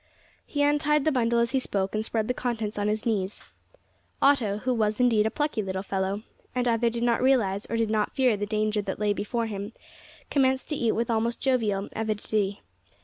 He untied the bundle as he spoke, and spread the contents on his knees. Otto who was, indeed, a plucky little fellow, and either did not realise or did not fear the danger that lay before him commenced to eat with almost jovial avidity.